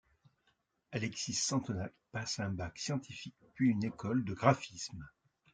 Alexis Sentenac passe un bac scientifique puis une école de graphisme.